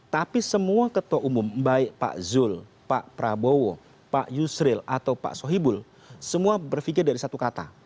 tapi semua ketua umum baik pak zul pak prabowo pak yusril atau pak sohibul semua berpikir dari satu kata